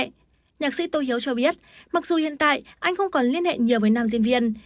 nhạc sĩ tô hiếu cho biết mặc dù hiện tại anh không còn liên hệ nhiều với nam diễn viên